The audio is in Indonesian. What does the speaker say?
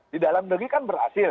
di dalam negeri kan berhasil